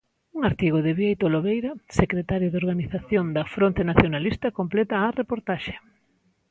Un artigo de Bieito Lobeira, secretario de Organización da fronte nacionalista completa a reportaxe.